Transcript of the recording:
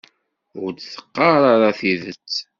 Ur d-teqqar ara tidet.